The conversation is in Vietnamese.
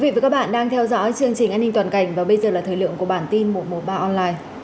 các bạn đang theo dõi chương trình an ninh toàn cảnh và bây giờ là thời lượng của bản tin một trăm một mươi ba online